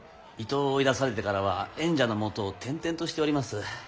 伊東を追い出されてからは縁者のもとを転々としております。